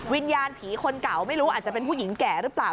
วิญญาณผีคนเก่าไม่รู้อาจจะเป็นผู้หญิงแก่หรือเปล่า